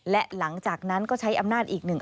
และหลังจากนั้นก็ใช้อำนาจอีกหนึ่ง